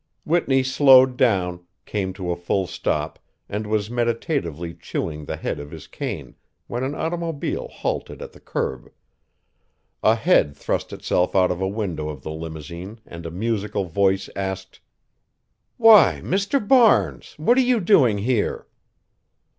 Whitney slowed down, came to a full stop and was meditatively chewing the head of his cane when an automobile halted at the curb. A head thrust itself out of a window of the limousine and a musical voice asked: "Why, Mr. Barnes, what are you doing here?"